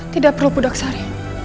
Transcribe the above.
tidak perlu pudaksari